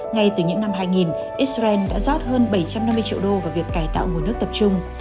ngay từ những năm hai nghìn israel đã rót hơn bảy trăm năm mươi triệu đô vào việc cải tạo nguồn nước tập trung